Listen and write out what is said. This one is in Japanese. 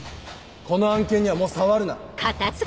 この案件にはもう触るな。